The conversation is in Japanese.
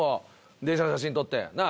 電車の写真撮ってなあ。